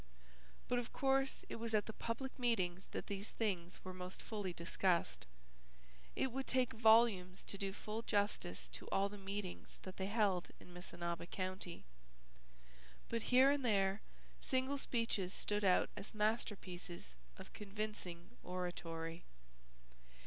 But of course it was at the public meetings that these things were most fully discussed. It would take volumes to do full justice to all the meetings that they held in Missinaba County. But here and there single speeches stood out as masterpieces of convincing oratory.